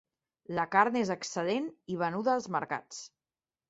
La carn és excel·lent i venuda als mercats.